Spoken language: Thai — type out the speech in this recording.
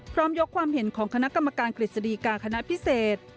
ยกความเห็นของคณะกรรมการกฤษฎีกาคณะพิเศษ